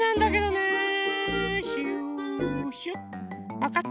わかった？